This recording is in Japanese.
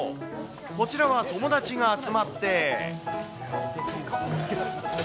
こちらは友達が集まって。